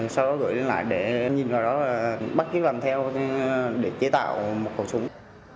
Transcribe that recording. sau đó gửi lên lại để nhìn vào đó và bắt kiếm làm theo để chế tạo một khẩu súng